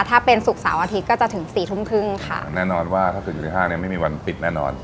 ถ้าเป็นศุกร์เสาร์อาทิตย์ก็จะถึงสี่ทุ่มครึ่งค่ะแน่นอนว่าถ้าเกิดอยู่ในห้างเนี้ยไม่มีวันปิดแน่นอน